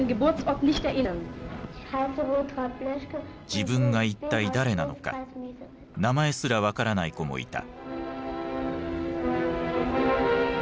自分が一体誰なのか名前すら分からない子もいた。